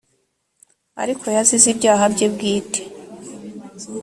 ariko yazize ibyaha bye bwite.